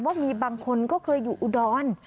ว่ามีบางคนก็เคยอยู่อุดร